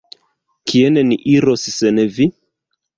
Kien ni iros sen vi?